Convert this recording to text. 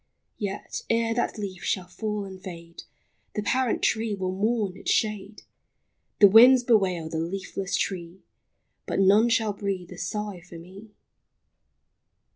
Yet, ere that leaf shall fall and fade, The parent tree will mourn its shade, The winds bewail the leafless tree,— But none shall breathe a sigh for me